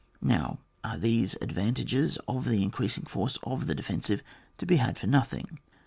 Now are these advantages of the in creasing force of the defensive to be had for nothing?